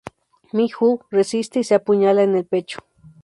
Mi-ju resiste y se apuñala en el pecho.